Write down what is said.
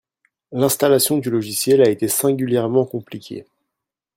L'installation du logiciel a été singulièrement compliquée